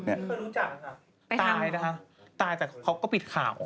แต่เขาก็ปิดข่าว